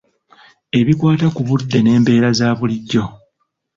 Ebikwata ku budde n'embeera za bulijjo.